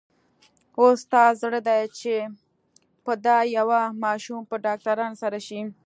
اوس ستا زړه دی چې په دا يوه ماشوم په ډاکټرانو سر شې.